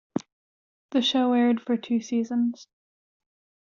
The show aired for two seasons.